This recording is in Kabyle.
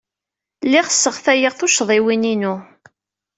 Lliɣ sseɣtayeɣ tuccḍiwin-inu.